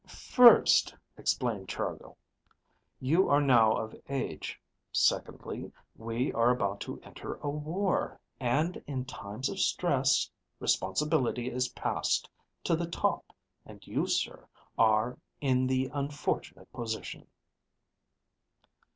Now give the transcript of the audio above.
"First," explained Chargill, "you are now of age. Secondly, we are about to enter a war, and in times of stress, responsibility is passed to the top, and you, sir, are in the unfortunate position."